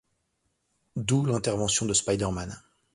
D'où l'intervention de Spider-man.